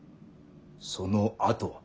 そのあとは。